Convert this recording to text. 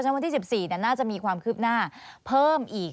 วันที่๑๔น่าจะมีความคืบหน้าเพิ่มอีก